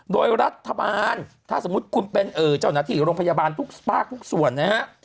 โดยรัฐบาลถ้าสมมุติคุณเป็นเจ้าหน้าที่โรงพยาบาลทุกภาคทุกส่วนนะฮะ